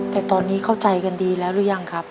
แต่ตอนนี้เข้าใจกันดีแล้วหรือยังครับ